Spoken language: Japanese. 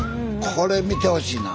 これ見てほしいな。